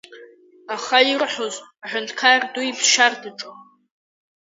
Аха ирҳәоз, аҳәынҭқар ду иԥсшьарҭаҿы…